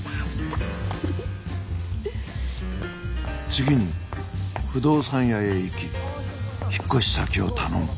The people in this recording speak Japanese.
次に不動産屋へ行き引っ越し先を頼む。